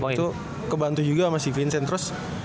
waktu kebantu juga sama si vincent terus